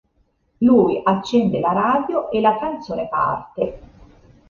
Lui accende la radio e la canzone parte.